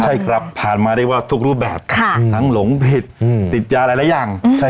ใช่ครับผ่านมาได้ว่าทุกรูปแบบค่ะทั้งหลงผิดอืมติดยาอะไรแล้วยังใช่